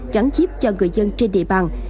gắn chip cho người dân trên địa bàn